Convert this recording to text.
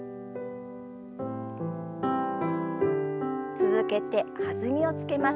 続けて弾みをつけます。